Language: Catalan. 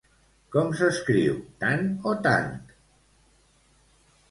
Com s'escriu, tan o tant?